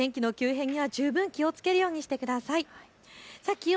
このあとも天気の急変に気をつけるようにしてください。